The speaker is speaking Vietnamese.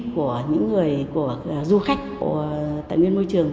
của những người du khách tại nguyên môi trường